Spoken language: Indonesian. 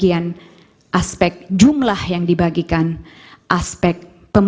dengan negara hospital yang dipimpin pimpin